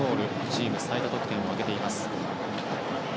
チーム最多得点を挙げています。